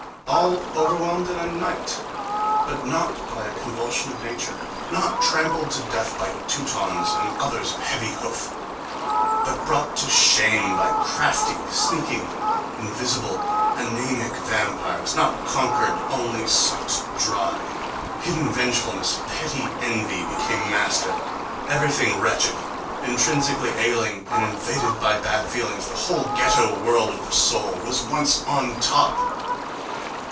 —All overwhelmed in a night, but not by a convulsion of nature! Not trampled to death by Teutons and others of heavy hoof! But brought to shame by crafty, sneaking, invisible, anæmic vampires! Not conquered,—only sucked dry!... Hidden vengefulness, petty envy, became master! Everything wretched, intrinsically ailing, and invaded by bad feelings, the whole ghetto world of the soul, was at once on top!